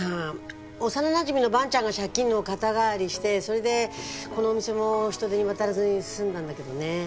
幼なじみの萬ちゃんが借金の肩代わりしてそれでこのお店も人手に渡らずに済んだんだけどね。